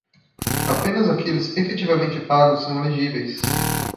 Apenas aqueles efetivamente pagos são elegíveis.